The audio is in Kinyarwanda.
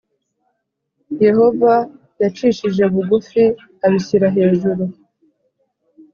Yehova yacishije bugufi abishyira hejuru